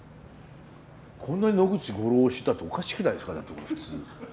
こんなに野口五郎推しっておかしくないですかだってこれ普通。